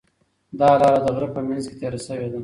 دا لاره د غره په منځ کې تېره شوې ده.